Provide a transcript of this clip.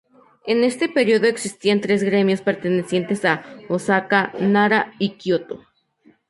En este período existían tres gremios pertenecientes a Osaka, Nara y Kioto.